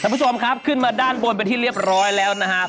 คุณผู้ชมครับขึ้นมาด้านบนเป็นที่เรียบร้อยแล้วนะครับ